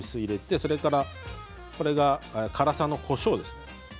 それから辛さのこしょうですね。